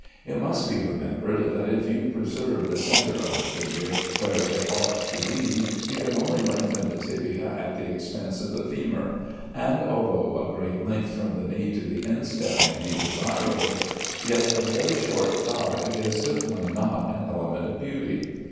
It must be remembered, that if you preserve the centre of the figure where it ought to be, you can only lengthen the tibia at the expense of the femur; and although a great length from the knee to the instep may be desirable, yet a very short thigh is certainly not an element of beauty.